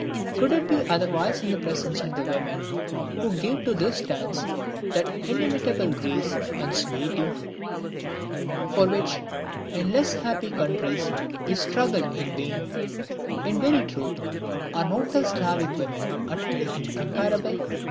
Could it be otherwise in the presence of the women who give to this dance that inimitable grace and suavity, for which, in less happy countries, they struggle in vain? In very truth are not the Sclavic women utterly incomparable?